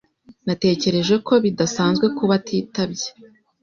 Natekereje ko bidasanzwe kuba atitabye.